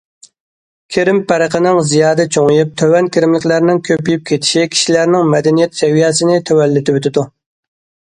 كىرىم پەرقىنىڭ زىيادە چوڭىيىپ، تۆۋەن كىرىملىكلەرنىڭ كۆپىيىپ كېتىشى كىشىلەرنىڭ مەدەنىيەت سەۋىيەسىنى تۆۋەنلىتىۋېتىدۇ.